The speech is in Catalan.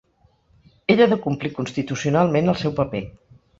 Ell ha de complir constitucionalment el seu paper.